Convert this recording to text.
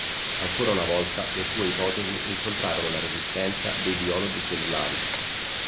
Ancora una volta, le sue ipotesi incontrarono la resistenza dei biologi cellulari.